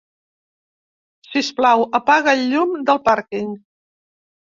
Sisplau, apaga el llum del pàrquing.